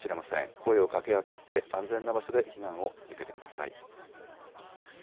声をかけ合って安全な場所で避難を続けてください。